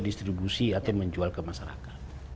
distribusi atau menjual ke masyarakat